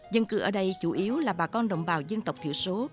dân cư ở đây chủ yếu là bà con đồng bào dân tộc thiểu số